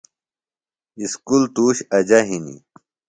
اسکول توُش اجہ ہِنیۡ ـ